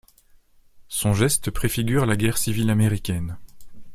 Son geste préfigure la guerre civile américaine.